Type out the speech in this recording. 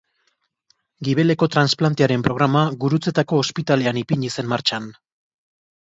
Gibeleko transplantearen programa, Gurutzetako ospitalean ipini zen martxan.